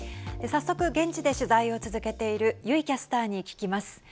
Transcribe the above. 早速、現地で取材を続けている油井キャスターに聞きます。